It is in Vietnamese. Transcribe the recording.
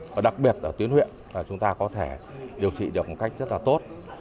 và đặc biệt ở tuyến huyện là chúng ta có thể điều trị được một cách rất là tốt